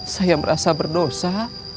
saya merasa berdosa